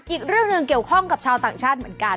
อีกเรื่องหนึ่งเกี่ยวข้องกับชาวต่างชาติเหมือนกัน